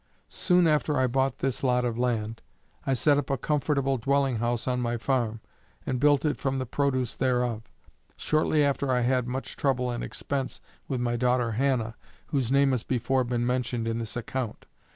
Soon after I bought this lot of land, I set up a comfortable dwelling house on my farm, and built it from the produce thereof. Shortly after I had much trouble and expense with my daughter Hannah, whose name has before been mentioned in this account.